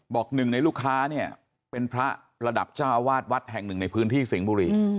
หนึ่งในลูกค้าเนี่ยเป็นพระระดับเจ้าอาวาสวัดแห่งหนึ่งในพื้นที่สิงห์บุรี